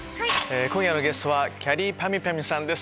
今夜のゲストはきゃりーぱみゅぱみゅさんでした。